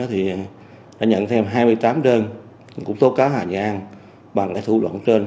thì đã nhận thêm hai mươi tám đơn cũng tố cáo hà như an bằng lãi thủ đoạn trên